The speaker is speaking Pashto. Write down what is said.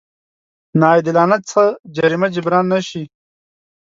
ناعادلانه څه جريمه جبران نه شي.